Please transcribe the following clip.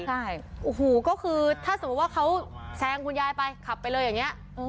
ใช่โอ้โหก็คือถ้าสมมุติว่าเขาแซงคุณยายไปขับไปเลยอย่างนี้